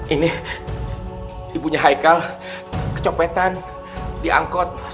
ini ibunya haikal kecopetan diangkut